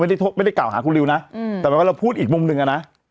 ไม่ได้โทษไม่ได้กล่าวหาคุณลิวน่ะอืมแต่ว่าเราพูดอีกมุมหนึ่งอ่ะน่ะ